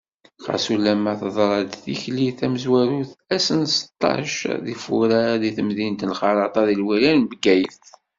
xas ulamma teḍra-d tikli tamezwarut ass, n sṭac deg furar deg temdint n Xerraṭa, deg lwilaya n Bgayet.